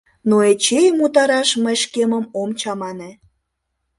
Но Эчейым утараш мый шкемым ом чамане.